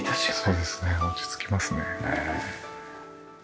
そうですね落ち着きますね。